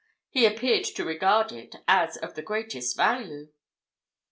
He appeared to regard it as of the greatest value."